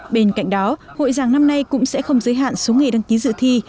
bên cạnh đó hội giảng năm nay cũng sẽ không giới hạn số nghề đăng ký dự thi